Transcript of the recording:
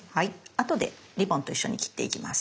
あとでリボンと一緒に切っていきます。